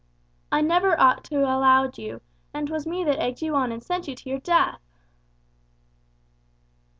"I never ought to allowed you, and 'twas me that egged you on and sent you to your death!"